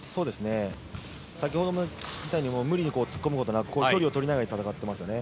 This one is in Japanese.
先ほどみたいに無理に突っ込むことなく距離を置いて戦っていますよね。